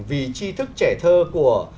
vì chi thức trẻ thơ của